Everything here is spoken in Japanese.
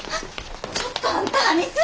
ちょっとあんた何すんねん！